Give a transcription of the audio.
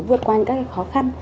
vượt qua những cái khó khăn